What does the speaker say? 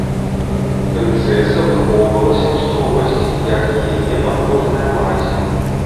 Прынцэса выхоўвалася ў строгасці, як і яе набожная маці.